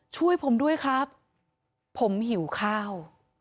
ช่วยผมด้วยครับผมหิวข้าว